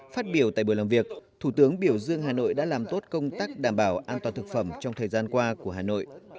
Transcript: phát biểu tại buổi làm việc thủ tướng biểu dương hà nội đã làm tốt công tác đảm bảo an toàn thực phẩm trong thời gian qua của hà nội